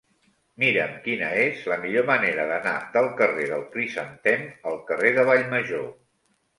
Mira'm quina és la millor manera d'anar del carrer del Crisantem al carrer de Vallmajor.